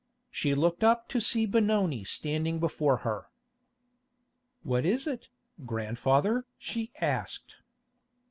She looked up to see Benoni standing before her. "What is it, grandfather?" she asked.